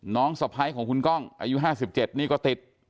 สะพ้ายของคุณก้องอายุ๕๗นี่ก็ติด